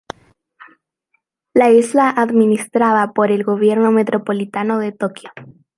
La isla está administrada por el Gobierno Metropolitano de Tokio.